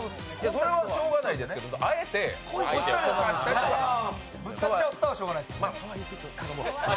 それはしょうがないですけど、あえて相手をこかしたりしたらぶつかっちゃったらしょうがないですよね！